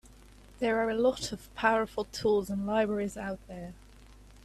There are a lot of powerful tools and libraries out there.